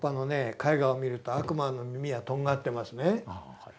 絵画を見ると悪魔の耳はとんがってますね。